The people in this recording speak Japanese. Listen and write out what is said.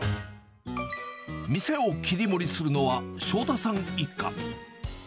店を切り盛りするのは、正田さん一家。